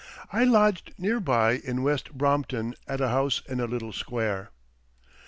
I lodged near by in West Brompton at a house in a little square.